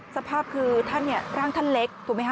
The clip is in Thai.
สภาพคือท่านเนี่ยร่างธรรมตั้งเล็กถูกไหมฮะ